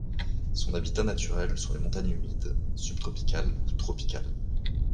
Son habitat naturel sont les montagnes humides subtropicales ou tropicales.